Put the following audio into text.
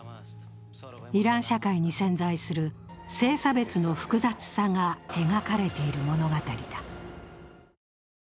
イラン社会に潜在する性差別の複雑さが描かれている物語だ。